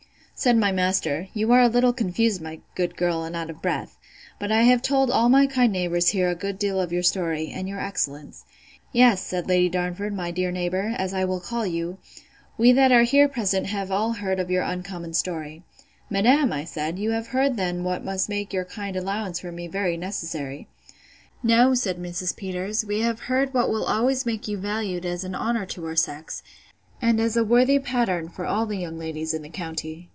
Said my master, You are a little confused, my good girl, and out of breath; but I have told all my kind neighbours here a good deal of your story, and your excellence. Yes, said Lady Darnford, my dear neighbour, as I will call you; we that are here present have all heard of your uncommon story. Madam, said I, you have then heard what must make your kind allowance for me very necessary. No, said Mrs. Peters, we have heard what will always make you valued as an honour to our sex, and as a worthy pattern for all the young ladies in the county.